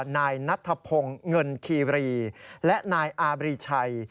นายนัทพงศ์เงินคีรีและนายอาบรีชัย